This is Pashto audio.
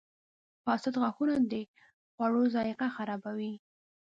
• فاسد غاښونه د خوړو ذایقه خرابوي.